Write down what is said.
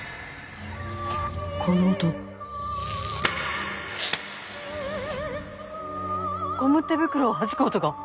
この音ゴム手袋をはじく音が。